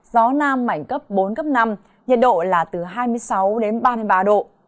gió nam mảnh cấp bốn năm nhiệt độ là từ hai mươi sáu ba mươi ba độ